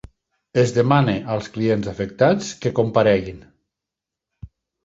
Es demana als clients afectats que compareguin.